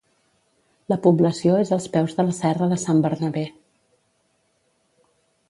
La població és als peus de la serra de Sant Bernabé.